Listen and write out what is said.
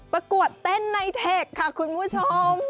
ปรากัวแตนในเทคคุณผู้ชม